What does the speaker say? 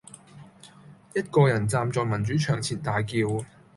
一個人站在民主牆前大叫